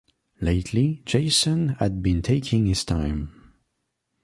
Lately Jason had been taking his time